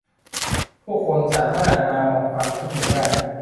ผู้คนสามารถมาออกความคิดเห็นได้